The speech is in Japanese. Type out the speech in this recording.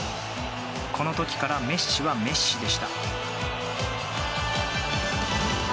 この時からメッシはメッシでした。